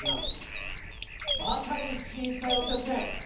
まさに一進一退の接戦。